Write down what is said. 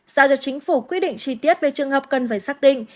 giao cho chính phủ quy định chi tiết về trường hợp cần phải xác định